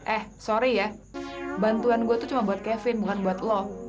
eh sorry ya bantuan gue tuh cuma buat kevin bukan buat lo